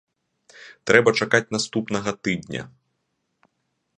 Трэба чакаць наступнага тыдня.